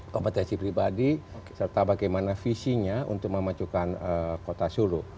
kompetensi pribadi serta bagaimana visinya untuk memajukan kota solo